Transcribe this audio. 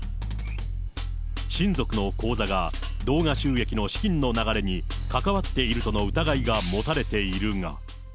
親族の口座が動画収益の資金の流れに関わっているとの疑いが持たれているが。